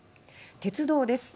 鉄道です。